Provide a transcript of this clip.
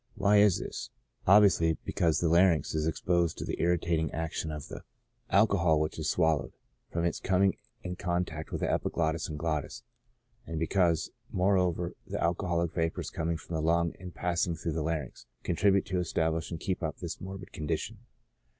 Why is this ? Obviously because the larynx is exposed to the irritating action of the l6o ON THE ABUSE OF ALCOHOL alcohol which is swallowed, from its coming in contact with the epiglottis and glottis, and because, moreover, the alcoholic vapors coming from the lung and passing through the larynx, contribute to establish and keep up this morbid condition.